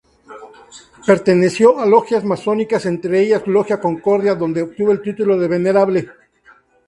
Perteneció a logias masónicas entre ellas Logia Concordia donde obtuvo el título de Venerable.